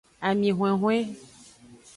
Ami hwenhwen.